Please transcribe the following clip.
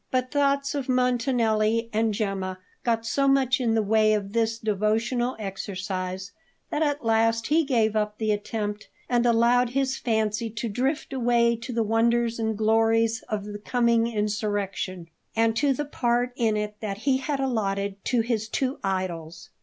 But thoughts of Montanelli and Gemma got so much in the way of this devotional exercise that at last he gave up the attempt and allowed his fancy to drift away to the wonders and glories of the coming insurrection, and to the part in it that he had allotted to his two idols.